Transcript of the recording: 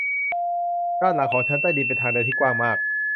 ด้านหลังของชั้นใต้ดินเป็นทางเดินที่กว้างมาก